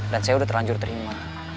dan saya udah terlanjur terima